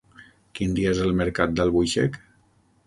Quin dia és el mercat d'Albuixec?